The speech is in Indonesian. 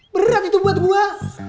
berat itu buat gue